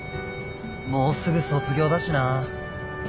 もうすぐ卒業だしな。